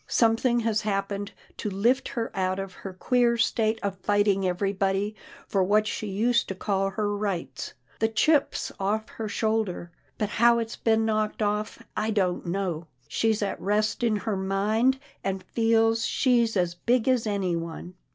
Something has happened to lift her out of her queer state of fighting everybody for what she used to call her rights. The chip's off her shoulder, but how it's been knocked off, I don't know. She's at rest in her mind, and feels she's as big as anyone.